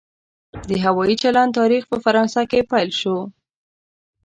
د هوایي چلند تاریخ په فرانسه کې پیل شو.